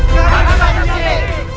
kami tidak boleh